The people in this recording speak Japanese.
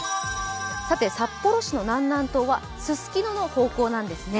札幌市の南南東はすすきのの方向なんですね。